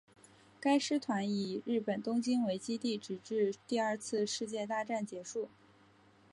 该师团以日本东京为基地直至第二次世界大战结束。